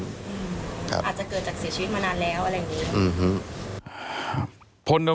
อาจจะเกิดจากเสียชีวิตมานานแล้วอะไรอย่างนี้